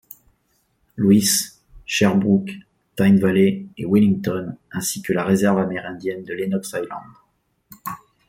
Louis, Sherbrooke, Tyne Valley et Wellington, ainsi que la réserve amérindienne de Lennox Island.